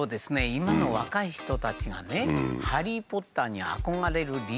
今の若い人たちがね「ハリー・ポッター」に憧れる理由